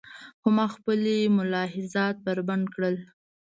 خو ما خپلې ملاحظات بربنډ کړل.